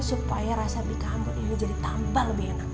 supaya rasa bika ambon ini jadi tambah lebih enak